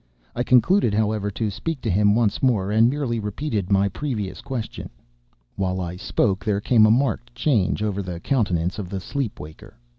I concluded, however, to speak to him once more, and merely repeated my previous question. While I spoke, there came a marked change over the countenance of the sleep waker.